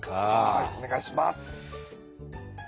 はいお願いします。